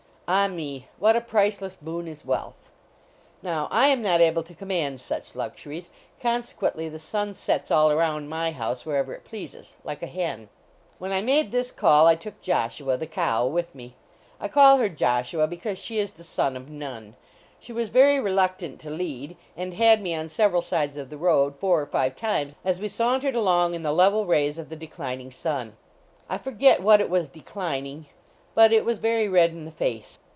Ah, me! what a priceless boon is wealth. Now, I am not able to com mand such luxuries, consequently the sun sets all around my house, wherever it pleases, like a hen. When I made this call I took Joshua, the cow, with me. I call her Joshua because she is the son of none. She was very reluc tant to lead, and had me on several sides of the road four or five times as we sauntered along in the level rays of the declining sun. I forget what it was declining, but it was very red in the face.